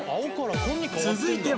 続いては